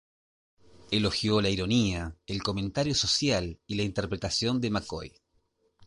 Elogió la ironía, el comentario social y la interpretación de McCoy.